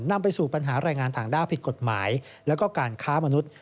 นำไปสู่ปัญหาแรงงานต่างด้าวผิดกฎหมายแล้วก็การค้ามนุษย์